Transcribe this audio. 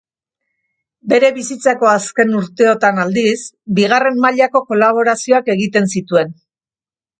Bere bizitzako azken urteotan, aldiz, bigarren mailako kolaborazioak egiten zituen.